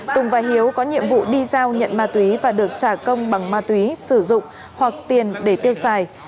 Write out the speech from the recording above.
tùng và hiếu có nhiệm vụ đi giao nhận ma túy và được trả công bằng ma túy sử dụng hoặc tiền để tiêu xài